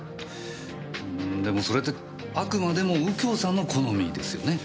うーんでもそれってあくまでも右京さんの好みですよね？